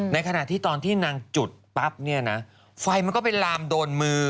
ในขณะที่ตอนที่นางจุดปั๊บเนี่ยนะไฟมันก็ไปลามโดนมือ